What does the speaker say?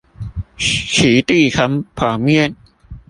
其地層剖面